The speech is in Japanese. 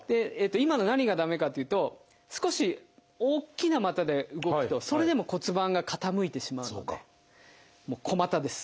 今の何が駄目かっていうと少し大きな股で動くとそれでも骨盤が傾いてしまうのでもう小股です。